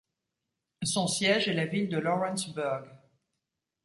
Son siège est la ville de Lawrenceburg.